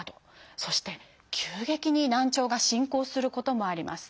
そして急激に難聴が進行することもあります。